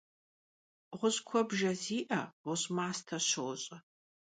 Ğuş' kuebjje zi'e ğuş' maste şoş'e.